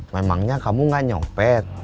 memangnya kamu gak nyopet